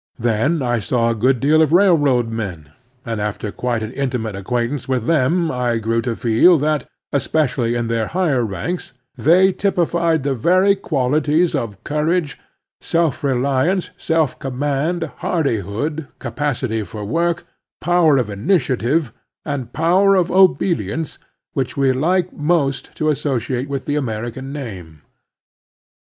Then I saw a good deal of rail road men, and after quite an intimate acquaint ance with them I grew to feel that, especially in their higher ranks, they typified the very qualities of courage, self reliance, self command, hardihood, capacity for work, power of initiative, and power of obedience, which we like most to associate with the American name.